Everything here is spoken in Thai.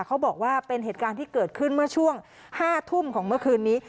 เขาบอกว่าเป็นเหตุการณ์ที่เกิดขึ้นเมื่อช่วง๕ทุ่มของเมื่อคืนนี้